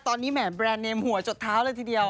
ตอนนี้แหมแบรนด์เนมหัวจดเท้าเลยทีเดียว